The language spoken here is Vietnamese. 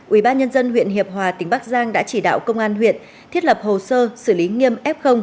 ubnd huyện hiệp hòa tỉnh bắc giang đã chỉ đạo công an huyện thiết lập hồ sơ xử lý nghiêm f